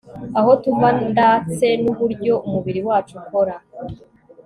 aho tuva ndatse n uburyo umubiri wacu ukora